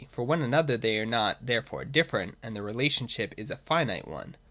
For one another they are therefore different, and the relationship is a finite one.